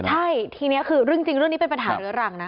ใช่ทีนี้คือเรื่องจริงเรื่องนี้เป็นปัญหาเรื้อรังนะ